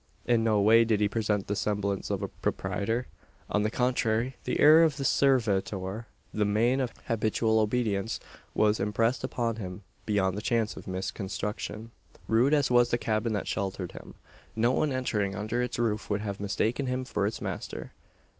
In no way did he present the semblance of a proprietor. On the contrary, the air of the servitor the mien of habitual obedience was impressed upon him beyond the chance of misconstruction. Rude as was the cabin that sheltered him, no one entering under its roof would have mistaken him for its master.